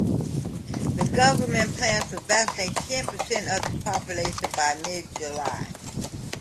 The Government plans to vaccinate ten percent of the population by mid July.